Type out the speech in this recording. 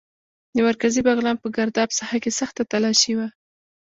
د مرکزي بغلان په ګرداب ساحه کې سخته تالاشي وه.